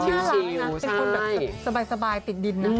ชิวนะเป็นคนสบายติดดินนะ